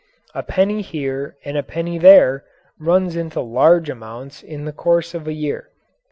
A penny here and a penny there runs into large amounts in the course of a year.